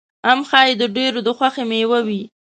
ام ښایي د ډېرو د خوښې مېوه وي.